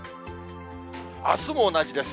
あすも同じです。